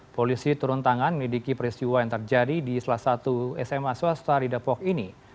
polisi turun tangan mediki peristiwa yang terjadi di salah satu sma swasta di depok ini